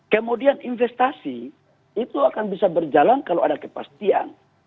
kemudian investasi itu akan bisa berjalan kalau ada kepastian